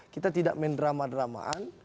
kita tidak main drama dramaan